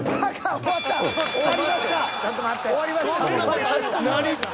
終わりました。